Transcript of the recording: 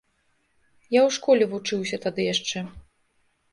Я ў школе вучыўся тады яшчэ.